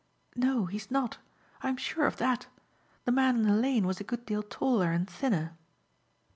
"No, he is not. I am sure of that. The man in the lane was a good deal taller and thinner."